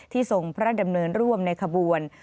ทรงพระดำเนินร่วมในขบวน